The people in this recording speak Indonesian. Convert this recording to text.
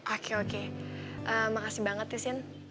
oke oke makasih banget ya sin